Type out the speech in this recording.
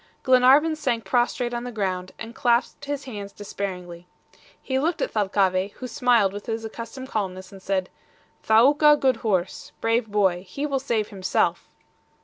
Glenarvan sank prostrate on the ground, and clasped his hands despairingly. He looked at Thalcave, who smiled with his accustomed calmness, and said: "Thaouka, good horse. Brave boy. He will save himself!"